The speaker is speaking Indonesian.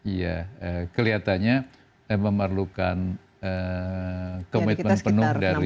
iya kelihatannya memerlukan komitmen penuh dari